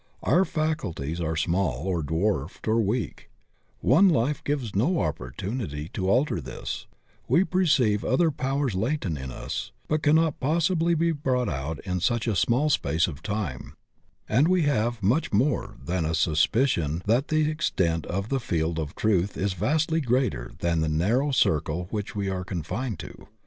Our faculties are small or dwarfed or weak; one life gives no opportunity to alter this; we perceive other powers latent in us that cannot possibly be brought out in such a small space of time; and we have much more than a suspicion that the extent of the field of truth is vastly ^eater than the narrow circle we are confined to.